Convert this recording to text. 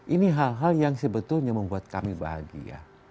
ini hal hal yang sebetulnya membuat kami bahagia